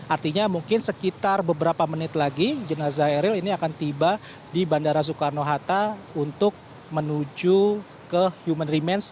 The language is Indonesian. artinya mungkin sekitar beberapa menit lagi jenazah eril ini akan tiba di bandara soekarno hatta untuk menuju ke human remans